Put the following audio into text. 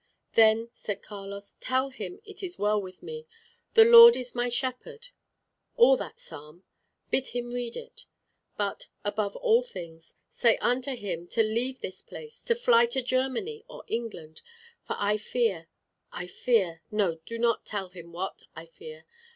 "Then," said Carlos, "tell him it is well with me. 'The Lord is my shepherd' all that psalm, bid him read it. But, above all things, say unto him to leave this place to fly to Germany or England. For I fear, I fear no, do not tell him what I fear.